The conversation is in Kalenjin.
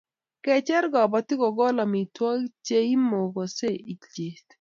Kecher kobotik kokol amitwogik cheimokosei ilchet